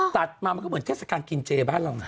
ตัดมามันก็เหมือนเทศกาลกินเจบ้านเรานะ